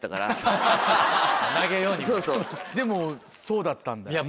でもそうだったんだ。